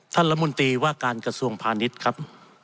ท่านละมุนตีว่าการกระทรวงพาณิชครับ